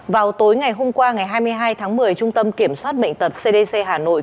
vào tối ngày hôm qua ngày hai mươi hai tháng một mươi trung tâm kiểm soát bệnh tật cdc hà nội